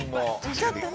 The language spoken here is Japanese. ちょっとね。